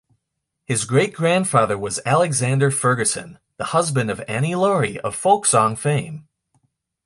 His great-grandfather was Alexander Fergusson, the husband of Annie Laurie of folksong fame.